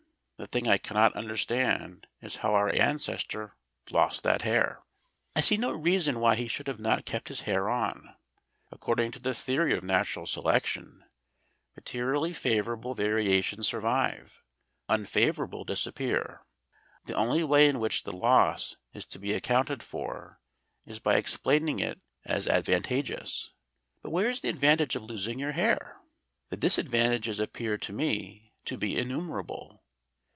The thing I cannot understand is how our ancestor lost that hair. I see no reason why he should not have kept his hair on. According to the theory of natural selection, materially favourable variations survive, unfavourable disappear; the only way in which the loss is to be accounted for is by explaining it as advantageous; but where is the advantage of losing your hair? The disadvantages appear to me to be innumerable.